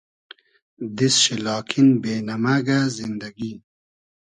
دیست شی لاکین بې نئمئگۂ زیندئگی